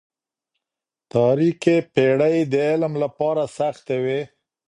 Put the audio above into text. تاريکي پېړۍ د علم لپاره سختې وې.